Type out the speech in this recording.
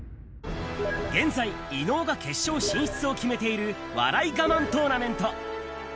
現在、伊野尾が決勝進出を決めている笑い我慢トーナメント。